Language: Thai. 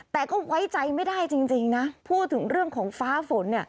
แต่ก็ไว้ใจไม่ได้จริงนะพูดถึงเรื่องของฟ้าฝน